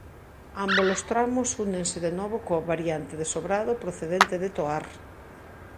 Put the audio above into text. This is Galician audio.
Ámbolos tramos únense de novo coa variante de Sobrado procedente de Toar.